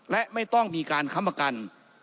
และไม่ต้องมีการค้ำประกัน